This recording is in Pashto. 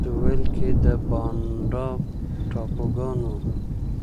په سوېل کې د بانډا ټاپوګان وو.